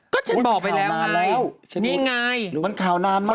ก็ฉันบอกไปแล้วไงนี่ไงมันข่าวนานแล้ว